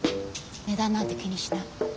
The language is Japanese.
値段なんて気にしない。